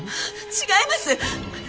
違います！